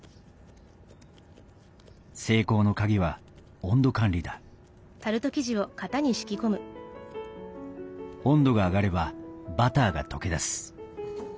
成功の鍵は温度管理だ温度が上がればバターが溶けだす。